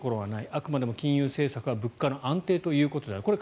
あくまでも金融政策は物価の安定ということであると。